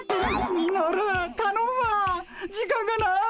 ミノルたのむわ時間がない。